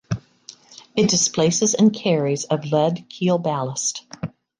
It displaces and carries of lead keel ballast.